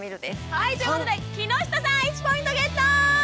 はいということで木下さん１ポイントゲット！